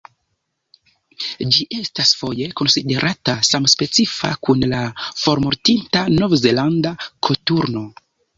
Ĝi estis foje konsiderata samspecifa kun la formortinta Novzelanda koturno.